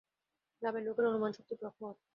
গ্রামের লোকের অনুমানশক্তি প্রখর।